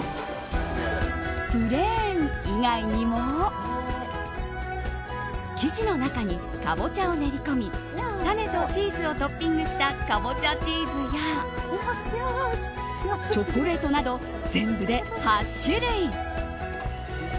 プレーン以外にも生地の中にカボチャを練り込み種とチーズをトッピングしたカボチャチーズやチョコレートなど全部で８種類。